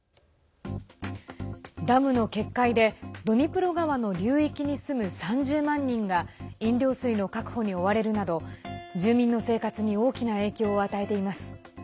ダムの決壊でドニプロ川の流域に住む３０万人が飲料水の確保に追われるなど住民の生活に大きな影響を与えています。